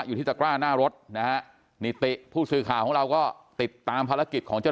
อยู่ที่ตะกร้าหน้ารถนะฮะนิติผู้สื่อข่าวของเราก็ติดตามภารกิจของเจ้า